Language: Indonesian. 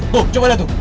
tuh coba lihat tuh